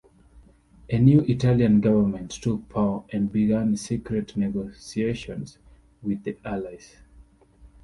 A new Italian government took power and began secret negotiations with the Allies.